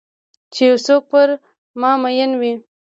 چې یو څوک پر مامین وي